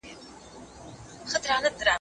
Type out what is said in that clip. ډېر خلک غواړي له ارواحو سره اړیکه ټېنګه کړي.